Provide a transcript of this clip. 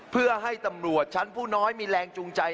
เพื่อให้ตำรวจชั้นผู้น้อยมีแรงจูงใจ